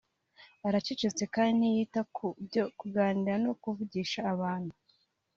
Aracecetse kandi ntiyita ku byo kuganira no kuvugisha abantu